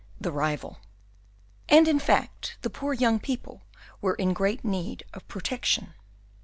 The Rival And in fact the poor young people were in great need of protection.